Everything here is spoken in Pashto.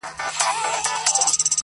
پوره اته دانې سمعان ويلي كړل~